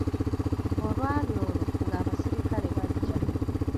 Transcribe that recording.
Olwaali olwo, nga abasirikale bajja.